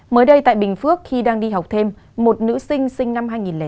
mới đây tại bình phước khi đang đi học thêm một nữ sinh sinh năm hai nghìn sáu